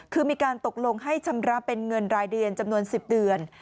คือมีการตกลงให้ชำระเป็นเงินรายเดือนจำนวน๑๐เดือน